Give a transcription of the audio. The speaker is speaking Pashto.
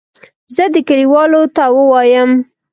زه دې کلیوالو ته ووایم.